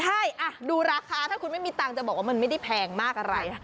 ใช่ดูราคาถ้าคุณไม่มีตังค์จะบอกว่ามันไม่ได้แพงมากอะไร